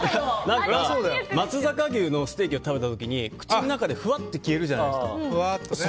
何か松阪牛のステーキを食べた時口の中でふわって消えるじゃないですか。